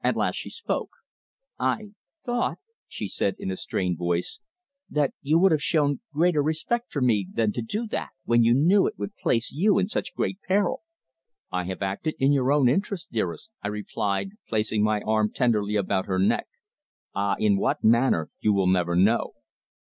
At last she spoke: "I thought," she said in a strained voice, "that you would have shown greater respect for me than to do that when you knew it would place you in such great peril!" "I have acted in your own interests, dearest," I replied, placing my arm tenderly about her neck. "Ah! in what manner you will never know."